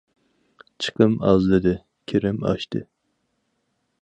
چىقىم ئازلىدى، كىرىم ئاشتى.